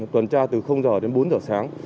tuần tra từ h đến bốn h sáng